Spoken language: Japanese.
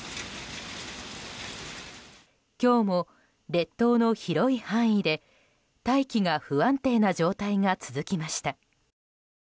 今日も列島の広い範囲で大気が不安定な状態が続きました。